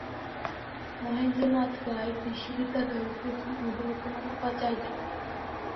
মহেন্দ্র নাথ রায় বিশ্ববিদ্যালয়ে প্রথম ও বর্তমান উপাচার্য।